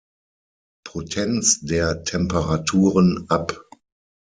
Potenz der Temperaturen ab.